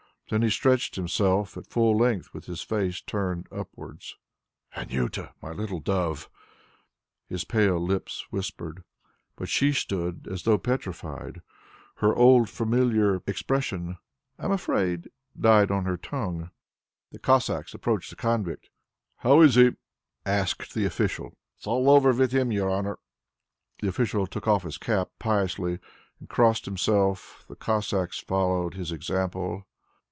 Then he stretched himself at full length with his face turned upwards. "Anjuta, my little dove!" his pale lips whispered. But she stood as though petrified; her old familiar expression, "I am afraid," died on her tongue. The Cossacks approached the convict. "How is he?" asked the official. "It is all over with him, your honour." The official took off his cap piously and crossed himself; the Cossacks followed his example.